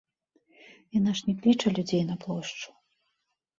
Яна ж не кліча людзей на плошчу.